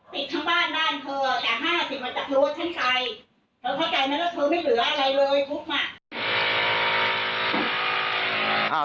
ติดทั้งบ้านด้านเธอ